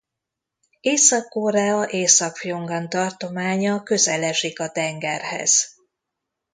Észak-Korea Észak-Phjongan tartománya közel esik a tengerhez.